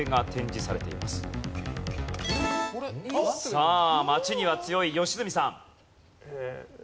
さあ街には強い良純さん。